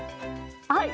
はい。